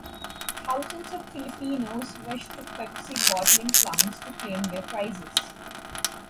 Thousands of Filipinos rushed to Pepsi bottling plants to claim their prizes.